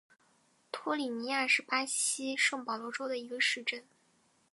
托里尼亚是巴西圣保罗州的一个市镇。